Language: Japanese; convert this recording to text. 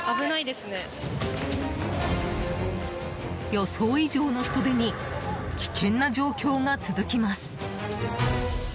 予想以上の人出に危険な状況が続きます。